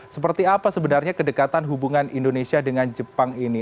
seperti apa sebenarnya kedekatan hubungan indonesia dengan jepang ini